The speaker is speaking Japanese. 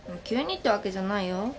急にってわけじゃないよ。